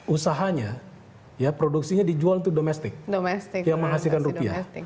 usahanya produksinya dijual itu domestik yang menghasilkan rupiah